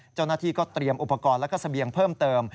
เจ้าหน้าที่ก็เตรียมอุปกรณ์แล้วก็เสบียงเพิ่มเติม